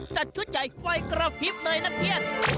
จัดชุดใหญ่ไฟกระพริบเลยนะเพียด